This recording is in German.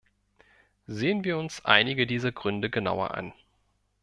Sehen wir uns einige dieser Gründe genauer an.